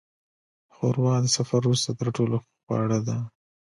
ښوروا د سفر وروسته تر ټولو ښه خواړه ده.